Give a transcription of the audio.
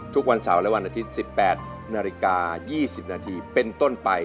ทุกวันเสาร์และวันอาทิตย์๑๘นาฬิกา๒๐นาทีเป็นต้นไป